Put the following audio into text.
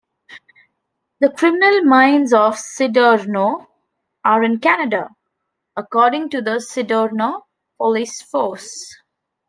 "The criminal minds of Siderno are in Canada", according to the Siderno police force.